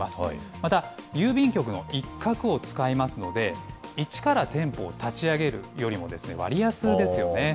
また、郵便局の一角を使いますので、一から店舗を立ち上げるよりも割安ですよね。